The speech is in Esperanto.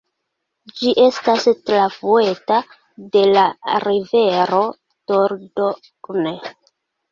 Ĝi estas trafluata de la rivero Dordogne.